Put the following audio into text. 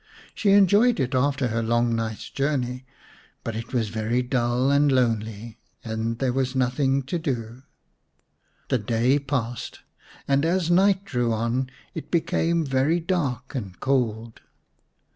She enjoyed it after her long night's journey, but it was very dull and lonely, and there was nothing to do. The day passed, and as night drew on it became very dark and cold.